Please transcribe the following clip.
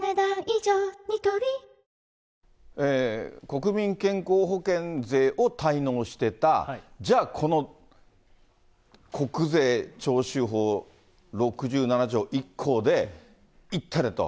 国民健康保険税を滞納してた、じゃあこの国税徴収法６７条１項でいったれと。